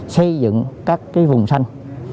xây dựng các vùng xanh